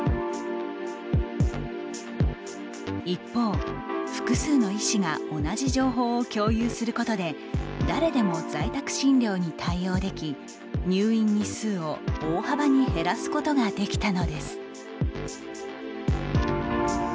一方、複数の医師が同じ情報を共有することで誰でも在宅診療に対応でき入院日数を大幅に減らすことができたのです。